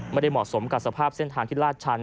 ไม่ได้เหมาะสมกับสภาพเส้นทางที่ลาดชัน